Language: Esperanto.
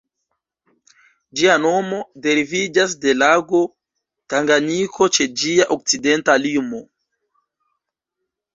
Ĝia nomo deriviĝas de lago Tanganjiko ĉe ĝia okcidenta limo.